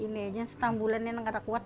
setengah bulan ini dia sudah kuat